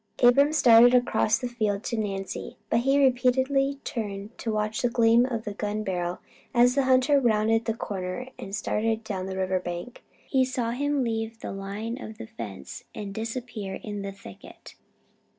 Abram started across the field to Nancy, but he repeatedly turned to watch the gleam of the gun barrel, as the hunter rounded the corner and started down the river bank. He saw him leave the line of the fence and disappear in the thicket.